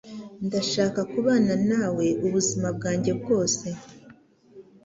Ndashaka kubana nawe ubuzima bwanjye bwose.